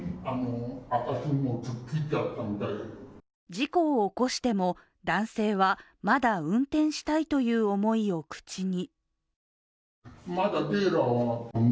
事故を起こしても、男性はまだ運転したいという思いを口に。